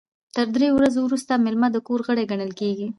تر دریو ورځو وروسته میلمه د کور غړی ګڼل کیږي.